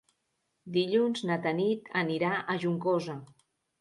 Dilluns na Tanit anirà a Juncosa.